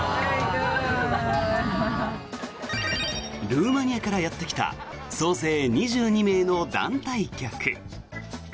ルーマニアからやってきた総勢２２名の団体客。